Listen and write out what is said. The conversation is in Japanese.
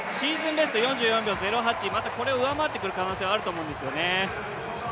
ベスト４４秒０８またこれを上回ってくる可能性があると思うんですよね。